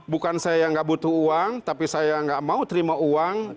bukan saya yang nggak butuh uang tapi saya nggak mau terima uang